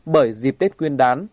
bởi dịp tết quyên đán